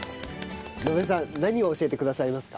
順恵さん何を教えてくださいますか？